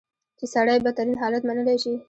چې سړی بدترین حالت منلی شي.